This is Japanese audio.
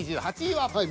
はい。